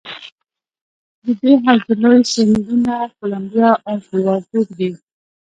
د دې حوزې لوی سیندونه کلمبیا او کلورادو دي.